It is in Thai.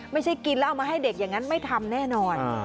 ไม่ใช่กินแล้วเอามาให้เด็กอย่างนั้นไม่ทำแน่นอน